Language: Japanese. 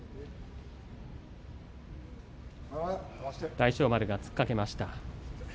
大翔丸が突っかけました。